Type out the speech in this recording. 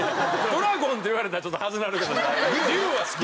「ドラゴン」って言われたらちょっと恥ずなるけど龍は好き。